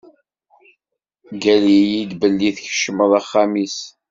Ggal-iyi-d belli tkecmeḍ axxam-is.